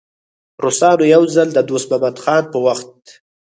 روسانو یو ځل د دوست محمد خان په وخت.